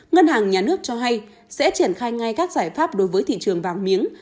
ngân hàng nhà nước cho hay sẽ triển khai ngay các giải pháp đối với thị trường vàng miếng